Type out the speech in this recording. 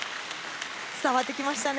伝わってきましたね。